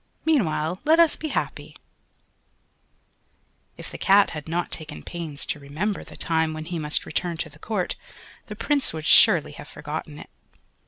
Meanwhile let us be happy." If the Cat had not taken pains to remember the time when he must return to the court, the Prince would surely have forgotten it.